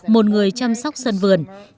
một người chăm sóc sân vườn